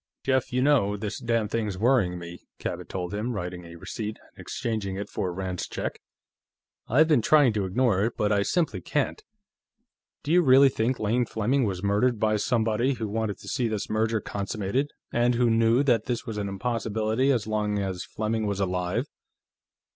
"Jeff, you know, this damned thing's worrying me," Cabot told him, writing a receipt and exchanging it for Rand's check. "I've been trying to ignore it, but I simply can't. Do you really think Lane Fleming was murdered by somebody who wanted to see this merger consummated and who knew that that was an impossibility as long as Fleming was alive?"